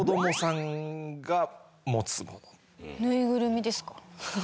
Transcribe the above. ぬいぐるみですか？